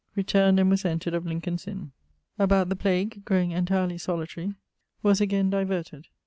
Returnd and was entred of Lincoln's Inne. About the plague, growing entirely solitary, was again diverted.